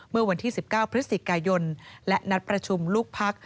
เมื่อวันที่๑๙พฤศจิกายนและนัดประชุมลูกพัก